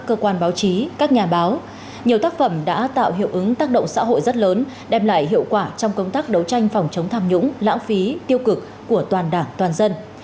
cơ quan báo chí các nhà báo nhiều tác phẩm đã tạo hiệu ứng tác động xã hội rất lớn đem lại hiệu quả trong công tác đấu tranh phòng chống tham nhũng lãng phí tiêu cực của toàn đảng toàn dân